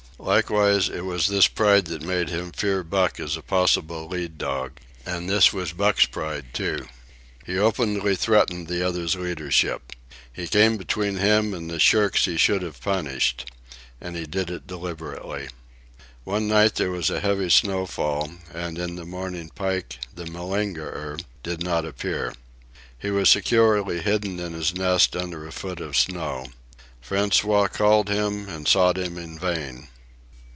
Likewise it was this pride that made him fear Buck as a possible lead dog. And this was Buck's pride, too. He openly threatened the other's leadership. He came between him and the shirks he should have punished. And he did it deliberately. One night there was a heavy snowfall, and in the morning Pike, the malingerer, did not appear. He was securely hidden in his nest under a foot of snow. François called him and sought him in vain.